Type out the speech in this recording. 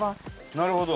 なるほど。